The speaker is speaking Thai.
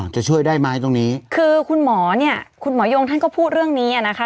จะช่วยได้ไหมตรงนี้คือคุณหมอเนี่ยคุณหมอยงท่านก็พูดเรื่องนี้อ่ะนะคะ